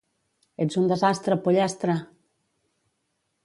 Ets un desastre, pollastre!